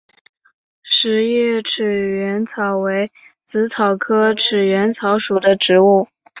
匙叶齿缘草为紫草科齿缘草属的植物。